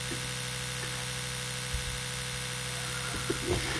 He graduated from Boston College and Suffolk University Law School.